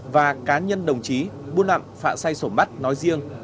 và cá nhân đồng chí bung lặn phạ say sổm bắt nói riêng